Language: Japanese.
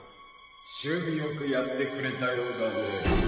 首尾よくやってくれたようだね。